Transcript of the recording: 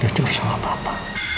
kamu jujur sama papa